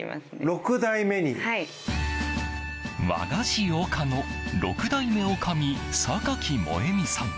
和菓子屋をかの６代目女将榊萌美さん。